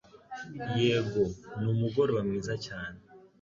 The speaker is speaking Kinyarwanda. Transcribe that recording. Yego, ni umugoroba mwiza cyane